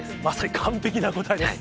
完璧な答えです。